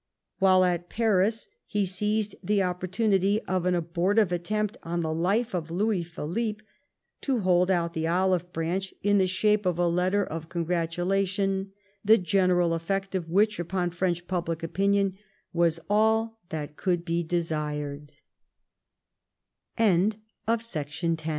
While at Paris he seized the opportunity of an abortive attempt on the life of Louis Philippe to hold out the olive branch in the shape of a letter of congratulation, the general effect of which upon French public opinion was all that oould